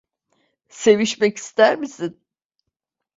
Sevişmek ister misin?